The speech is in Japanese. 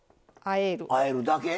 あえるだけ？